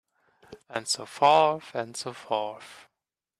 And so forth and so forth.